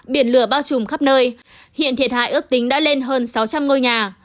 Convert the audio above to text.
biển lửa bao trùm khắp nơi hiện thiệt hại ước tính đã lên hơn sáu trăm linh ngôi nhà